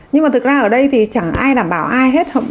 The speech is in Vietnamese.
nhưng mà thực ra ở đây thì chẳng ai đảm bảo ai hết